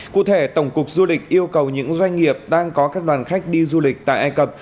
cụ thể tổng cục du lịch yêu cầu những doanh nghiệp đang có các đoàn khách đi du lịch tại ai cập